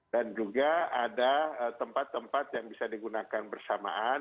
dan juga ada tempat tempat yang bisa digunakan bersamaan